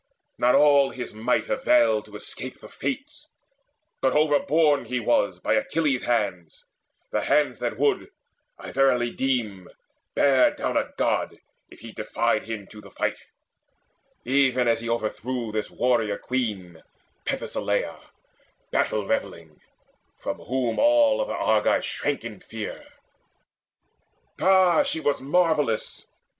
Not all his might availed to escape the Fates, But overborne he was by Achilles' hands, The hands that would, I verily deem, bear down A God, if he defied him to the fight, Even as he overthrew this warrior queen Penthesileia battle revelling, From whom all other Argives shrank in fear. Ah, she was marvellous!